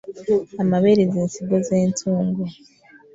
Amabere z’ensigo z’entungo.